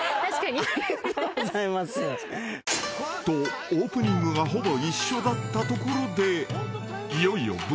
［とオープニングがほぼ一緒だったところでいよいよ］